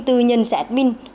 từ nhận xét mình